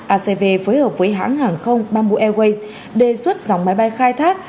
acv phối hợp với hãng hàng không bamboo airways đề xuất dòng máy bay khai thác